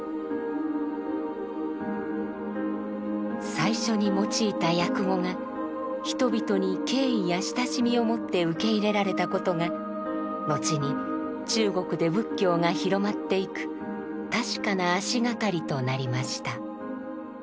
最初に用いた訳語が人々に敬意や親しみをもって受け入れられたことがのちに中国で仏教が広まっていく確かな足がかりとなりました。